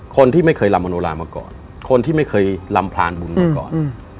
คนที่ไม่เคยลำมโนรามาก่อนคนที่ไม่เคยลำพลานบุญมาก่อน